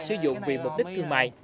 sử dụng vì mục đích thương mại